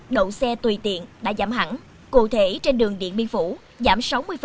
đậu xe tùy tiện đã giảm hẳn cụ thể trên đường điện biên phủ giảm sáu mươi